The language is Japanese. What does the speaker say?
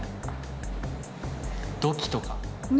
土器とか。